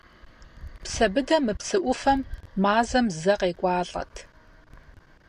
Псэбыдэ мы псы ӏуфэм мазэм зэ къекӏуалӏэт.